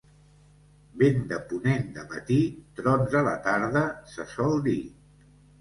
Vent de ponent de matí, trons a la tarda, se sol dir.